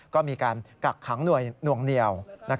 ก็มีการกักขังหน่วงเหนียว